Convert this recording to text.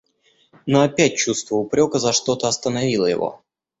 Но опять чувство упрека за что-то остановило его.